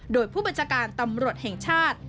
โดยผู้บัญชาการตำรวจแห่งชาติ